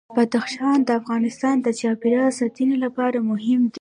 بدخشان د افغانستان د چاپیریال ساتنې لپاره مهم دي.